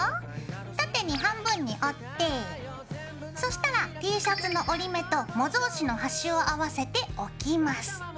縦に半分に折ってそしたらＴシャツの折り目と模造紙の端を合わせて置きます。